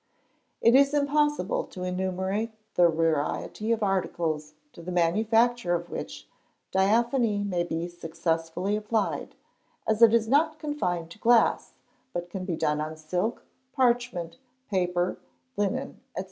It is impossible to enumerate the variety of articles to the manufacture of which Diaphanie may be successfully applied, as it is not confined to glass, but can be done on silk, parchment, paper, linen, &c.